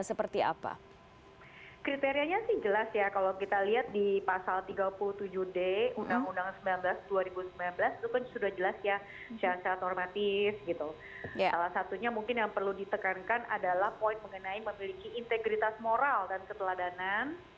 salah satunya mungkin yang perlu ditekankan adalah poin mengenai memiliki integritas moral dan keteladanan